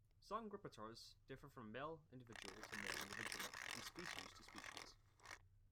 Song repertoires differ from male individual to male individual and species to species.